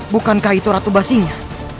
bukankah itu ratu basinya